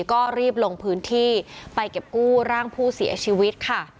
ก็รีบลงพื้นที่ไปเก็บกู้ร่างผู้เสียชีวิตค่ะ